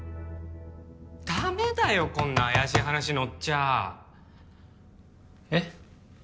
ダメだよこんな怪しい話のっちゃえっ？